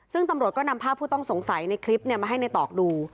ซึ่งตำรวจก็นำภาพผู้ต้องสงสัยในคลิปมาให้ในตอกดู